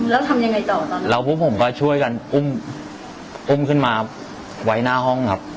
แล้วทำยังไงต่อตอนนั้นแล้วพวกผมก็ช่วยกันอุ้มอุ้มขึ้นมาไว้หน้าห้องครับ